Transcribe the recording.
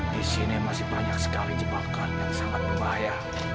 disini masih banyak sekali jebakan yang sangat berbahaya